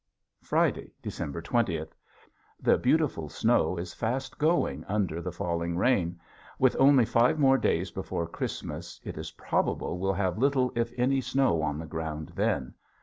Friday, December twentieth. The beautiful snow is fast going under the falling rain! With only five more days before Christmas it is probable we'll have little if any snow on the ground then.